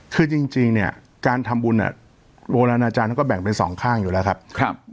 คือจริงเนี่ยการทำบุญโรนาจารย์ก็แบ่งเป็นสองข้างอยู่แล้วครับ